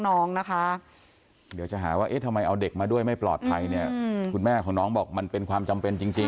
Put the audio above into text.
น้องนะคะเดี๋ยวจะหาว่าเอ๊ะทำไมเอาเด็กมาด้วยไม่ปลอดภัยเนี่ยคุณแม่ของน้องบอกมันเป็นความจำเป็นจริง